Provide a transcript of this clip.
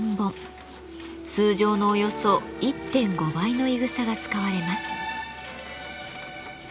通常のおよそ１．５倍のいぐさが使われます。